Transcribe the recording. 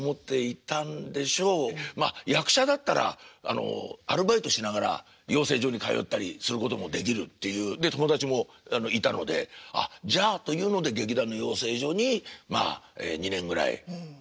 まあ役者だったらアルバイトしながら養成所に通ったりすることもできるっていうで友達もいたのでああじゃあというので劇団の養成所にまあ２年ぐらい入って。